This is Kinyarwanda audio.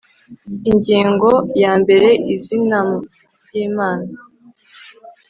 Ingingo ya mbere Izinam ryimana